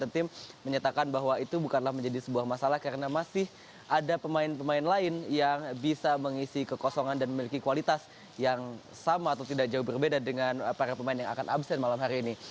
tim menyatakan bahwa itu bukanlah menjadi sebuah masalah karena masih ada pemain pemain lain yang bisa mengisi kekosongan dan memiliki kualitas yang sama atau tidak jauh berbeda dengan para pemain yang akan absen malam hari ini